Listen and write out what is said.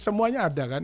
semuanya ada kan